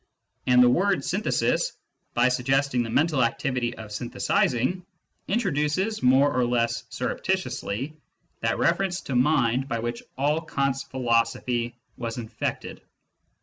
And the word "synthesis," by suggesting the mental activity of synthesising, introduces, more or less surreptitiously, that reference to mind by which all Kant's philosophy was infected.